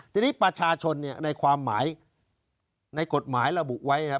ทีนี้ประชาชนเนี่ยในความหมายในกฎหมายระบุไว้ครับ